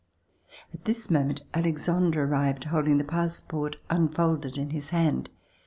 At this moment, Alexandre arrived holding the passport unfolded in his hand.